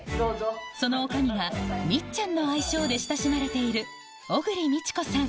その女将がみっちゃんの愛称で親しまれている小栗美智子さん